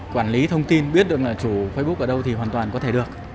quản lý thông tin biết được là chủ facebook ở đâu thì hoàn toàn có thể được